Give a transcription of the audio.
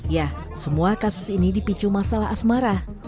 ya semua kasus ini dipicu masalah asmara